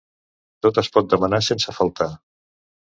Tot es pot demanar sense faltar.